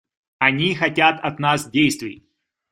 Они хотят от нас действий.